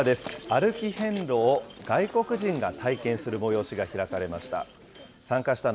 歩き遍路を外国人が体験する催しが開かれました。